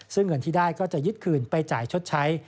ซึ่งเงินที่ได้ก็จะยึดคืนไปจ่ายชดใช้